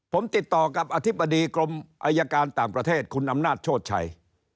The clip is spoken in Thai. ผมติดต่อกับอธิบดีกรมอายการต่างประเทศคุณอำนาจโชชัย